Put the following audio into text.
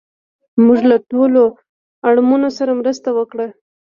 موږ له ټولو اړمنو سره مرسته وکړه